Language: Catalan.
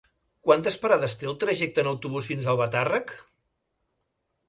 Quantes parades té el trajecte en autobús fins a Albatàrrec?